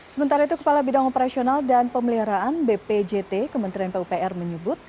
sementara itu kepala bidang operasional dan pemeliharaan bpjt kementerian pupr menyebut